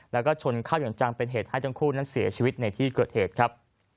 และชนข้าวหย่อนจังนะครับให้ทั้งคู่เสียชีวิตในที่เกิดเหตุครับ